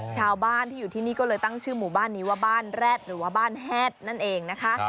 ชาวบ้านที่อยู่ที่นี่ก็เลยตั้งชื่อหมู่บ้านนี้ว่าบ้านแร็ดหรือว่าบ้านแฮดนั่นเองนะคะ